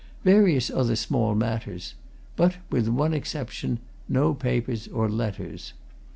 Various other small matters but, with one exception, no papers or letters.